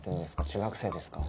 中学生ですか？